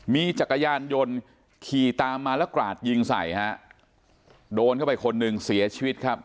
มีจักรยานยนต์ขี่ตามมาแล้วกราดยิงใส่ฮะโดนเข้าไปคนหนึ่งเสียชีวิตครับ